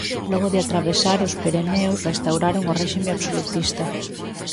Logo de atravesar os Pireneos restauraron o réxime absolutista.